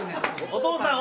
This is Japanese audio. お父さん。